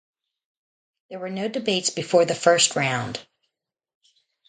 There were no debates before the First Round.